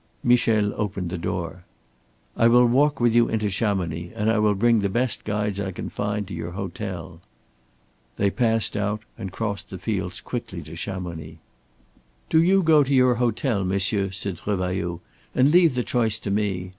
Michel opened the door. "I will walk with you into Chamonix, and I will bring the best guides I can find to your hotel." They passed out, and crossed the fields quickly to Chamonix. "Do you go to your hotel, monsieur," said Revailloud, "and leave the choice to me.